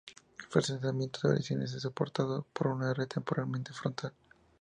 El procesamiento de oraciones es soportado por una red temporo-frontal.